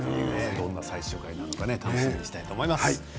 どんな最終回なのか楽しみにしたいと思います。